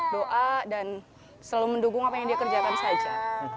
doa dan selalu mendukung apa yang dia kerjakan saja